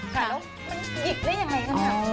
ค่ะแล้วมันหยิบได้อย่างไรค่ะ